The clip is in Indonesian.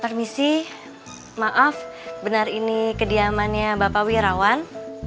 permisi maaf benar ini kediamannya bapak wirawan